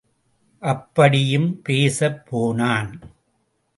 அப்படியும் பேசப் போனான்.